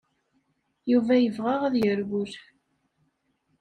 Yuba yebɣa ad yerwel.